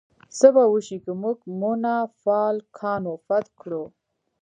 څه به وشي که موږ مونافالکانو فتح کړو؟